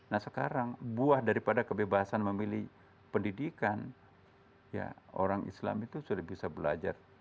nah sekarang buah daripada kebebasan memilih pendidikan ya orang islam itu sudah bisa belajar